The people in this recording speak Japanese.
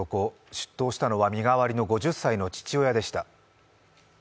出頭したのは身代わりの５０歳の父親でした。